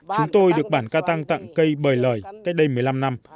chúng tôi được bản ca tăng tặng cây bời lời cách đây một mươi năm năm